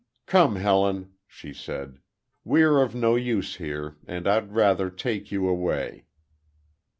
"Come, Helen," she said, "we are of no use here, and I'd rather take you away."